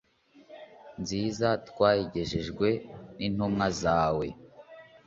nziza, twayigejejwe n'intumwa zawe